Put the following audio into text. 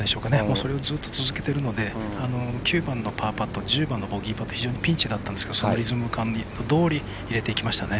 それをずっと続けてるので９番のパーパット１０番のボギーパットピンチだったんですけどリズム感どおり入れていきましたね。